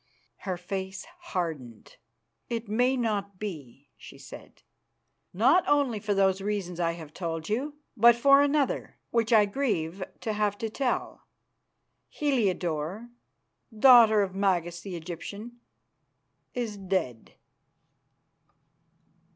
Her face hardened. "It may not be," she said, "not only for those reasons I have told you, but for another which I grieve to have to tell. Heliodore, daughter of Magas the Egyptian, is dead.